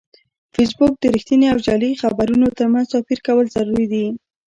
فېسبوک د رښتینې او جعلي خبرونو ترمنځ توپیر کول ضروري دي